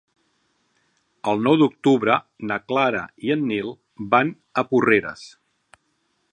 El nou d'octubre na Clara i en Nil van a Porreres.